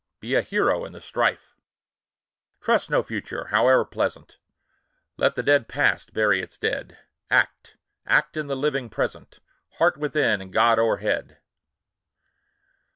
Be a hero in the strife ! Trust no Future, howe'er pleasant ! Let the dead Past bury its dead ! Act, — act in the living Present ! Heart within, and God o'erhead